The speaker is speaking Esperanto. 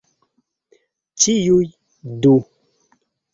Ĉiuj du!